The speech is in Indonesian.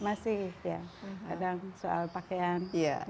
kadang soal pakaian